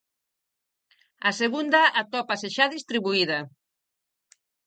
A segunda atópase xa distribuída.